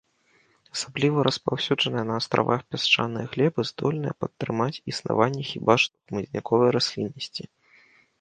Асабліва распаўсюджаныя на астравах пясчаныя глебы здольныя падтрымаць існаванне хіба што хмызняковай расліннасці.